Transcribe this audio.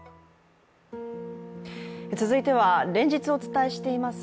続いては、連日お伝えしています